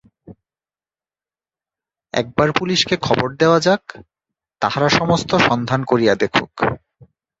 একবার পুলিসকে খবর দেওয়া যাক, তাহারা সমস্ত সন্ধান করিয়া দেখুক।